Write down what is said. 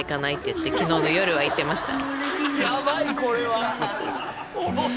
って昨日の夜は言ってました。